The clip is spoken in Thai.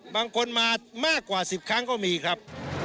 บางคนมามากกว่า๑๐ครั้งก็มีครับ